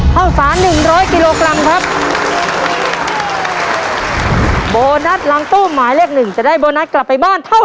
เพราะฉะนั้นเรามาดูกันก่อนว่า